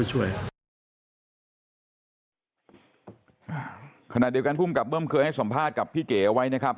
อ่าฮะนาได้เลยถึงกับลุ้มเครื่องให้สมภาษณ์กับพี่เกะเอาไว้นะครับ